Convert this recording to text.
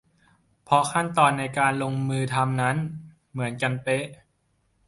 เพราะขั้นตอนในการลงมือทำนั้นเหมือนกันเป๊ะ